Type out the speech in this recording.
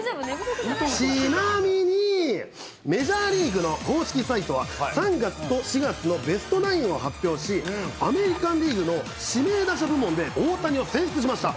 ち・な・み・に、メジャーリーグの公式サイトは３月と４月のベストナインを発表し、アメリカンリーグの指名打者部門で大谷を選出しました。